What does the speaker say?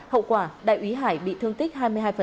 hậu quả đại úy hải bị thương tích hai mươi hai